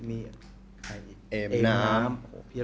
มีแอมน้ำ